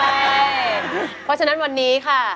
เพราะฉะนั้นวันนี้ค่ะ